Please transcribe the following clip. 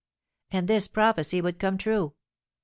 '—And this prophecy would come true.